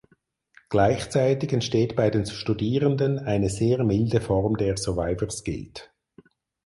Gleichzeitig entsteht bei den Studierenden eine sehr milde Form der Survivors Guilt.